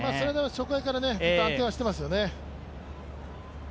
初回から安定はしてますよね。